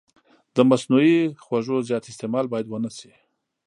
د مصنوعي خوږو زیات استعمال باید ونه شي.